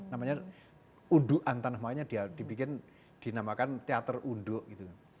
namanya undukan tanah maunya dibikin dinamakan teater unduk gitu